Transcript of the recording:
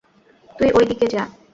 তুই ঐদিকে যা।